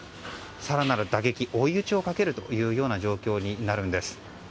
更なる打撃、追い打ちをかけるというような状況になるんです。